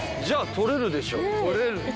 取れるでしょ。